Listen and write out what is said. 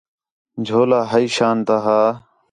جھولہ ہپّی شان تا ہا